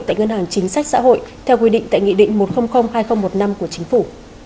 tại ngân hàng chính sách xã hội theo quy định tại nghị định một trăm linh hai nghìn một mươi năm của chính phủ